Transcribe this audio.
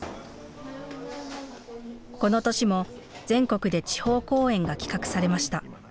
この年も全国で地方公演が企画されました。